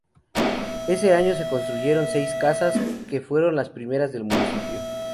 Ese año se construyeron seis casas, que fueron las primeras del municipio.